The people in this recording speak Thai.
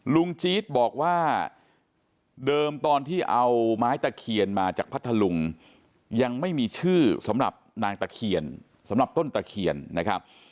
จี๊ดบอกว่าเดิมตอนที่เอาไม้ตะเคียนมาจากพัทธลุงยังไม่มีชื่อสำหรับนางตะเคียนสำหรับต้นตะเคียนนะครับ